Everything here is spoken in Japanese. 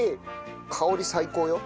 香り最高よ。